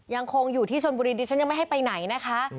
ยังคงอยู่ที่ชนบุรีดิฉันยังไม่ให้ไปไหนนะคะ